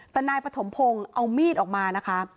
แต่นายปฐมพงศ์เอามีดออกมานะคะ